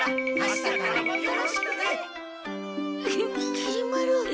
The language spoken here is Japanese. きり丸。